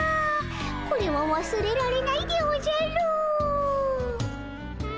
これはわすれられないでおじゃる。